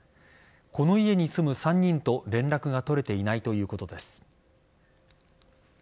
この家に住む３人と連絡が取れていないということです。